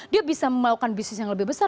dia bisa melakukan bisnis yang lebih besar